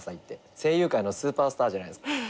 声優界のスーパースターじゃないですか。